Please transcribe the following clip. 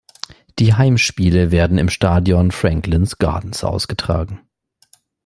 Die Heimspiele werden im Stadion Franklin’s Gardens ausgetragen.